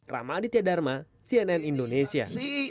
rama aditya dharma cnn indonesia